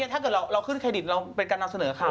ถ้าเกิดเราขึ้นเครดิตเราเป็นการนำเสนอข่าว